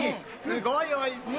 すごいおいしい！